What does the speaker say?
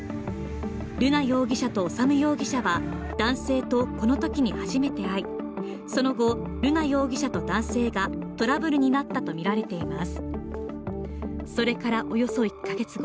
瑠奈容疑者と修容疑者は、男性とこのときに初めて会い、その後、瑠奈容疑者と男性がトラブルになったとみられています。